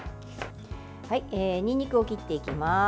にんにくを切っていきます。